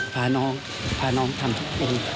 พาน้องทำทุกอย่าง